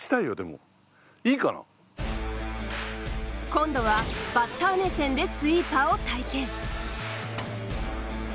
今度はバッター目線でスイーパーを体験。